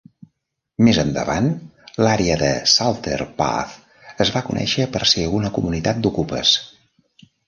Més endavant, l'àrea de Salter Path es va conèixer per ser una comunitat d'ocupes.